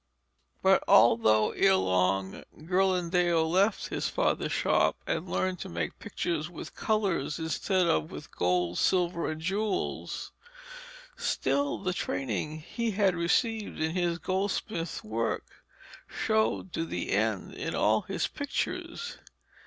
But although, ere long, Ghirlandaio left his father's shop and learned to make pictures with colours, instead of with gold, silver, and jewels, still the training he had received in his goldsmith's work showed to the end in all his pictures.